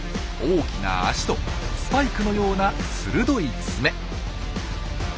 大きな足とスパイクのような鋭い爪。